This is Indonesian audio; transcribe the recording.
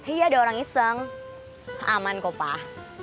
iya ada orang iseng aman kok pak